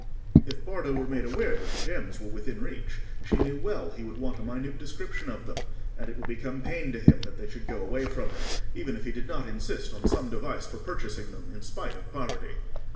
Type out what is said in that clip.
If Bardo were made aware that the gems were within reach, she knew well he would want a minute description of them, and it would become pain to him that they should go away from him, even if he did not insist on some device for purchasing them in spite of poverty.